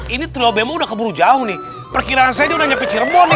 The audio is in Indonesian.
ini terobong udah keburu jauh nih perkiraan saya udah nyampe ciremon